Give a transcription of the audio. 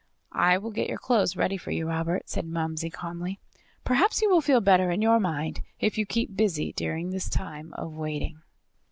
"I will get your clothes ready for you, Robert," said Momsey calmly. "Perhaps you will feel better in your mind if you keep busy during this time of waiting."